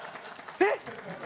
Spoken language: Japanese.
えっ！